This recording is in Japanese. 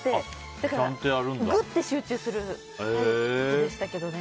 だから、ぐっと集中するタイプでしたけどね。